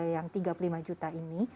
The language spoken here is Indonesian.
yang tiga puluh lima juta ini